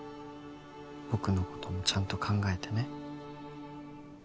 僕のこともちゃんと考えてね